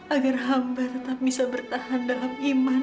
agar hampir tetap bisa bertahan dalam iman